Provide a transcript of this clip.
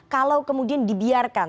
kalau kemudian dibiarkan